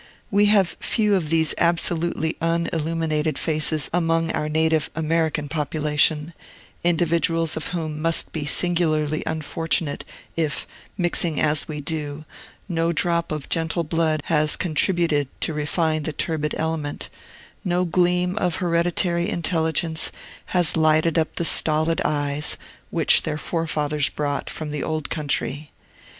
We have few of these absolutely unilluminated faces among our native American population, individuals of whom must be singularly unfortunate, if, mixing as we do, no drop of gentle blood has contributed to refine the turbid element, no gleam of hereditary intelligence has lighted up the stolid eyes, which their forefathers brought, from the Old Country.